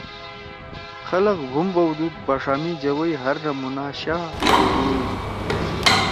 خلگ بُھوم بؤدُود۔ بݜا می جوَئی ہر نمونہ شا ݜوڙُودُود۔